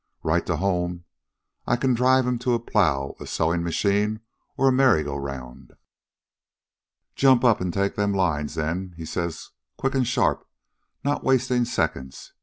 "'Right to home. I can drive 'm to a plow, a sewin' machine, or a merry go round.' "'Jump up an' take them lines, then,' he says, quick an' sharp, not wastin' seconds.